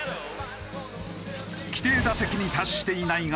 規定打席に達していないが